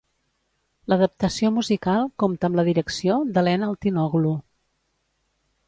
L'adaptació musical compta amb la direcció d'Alain Altinoglu.